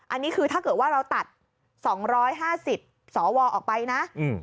อันนี้คือถ้าเกิดว่าเราตัด๒๕๐สวออกไปนะ